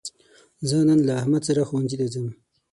زه نن له احمد سره ښوونځي ته ځم.